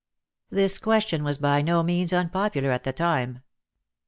This question was by no means unpopular at the time.